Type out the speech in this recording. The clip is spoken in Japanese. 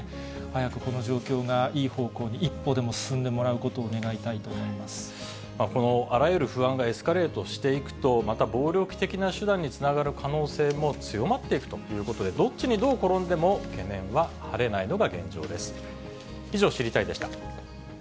早くこの状況がいい方向に一歩でも進んでもらうことを願いたいとこのあらゆる不安がエスカレートしていくと、また暴力的な手段につながる可能性も強まっていくということで、どっちにどう転んでも、懸念は晴れないのが現状です。